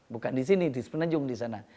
bukan di sini di semenanjung di sana